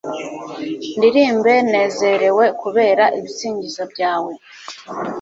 ndirimbe nezerewe kubera ibisingizo byawe